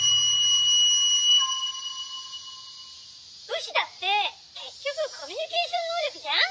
「武士だって結局コミュニケーション能力じゃん？